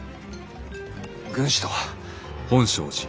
軍師とは。